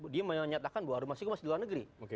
dia menyatakan bahwa rumah saya masih di luar negeri